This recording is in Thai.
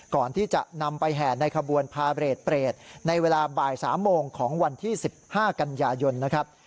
ก่อนที่จะนำไปแห่ในขบวนพาเรทเปรตในเวลาบ่าย๓โมงของวันที่๑๕กันยายนนะครับ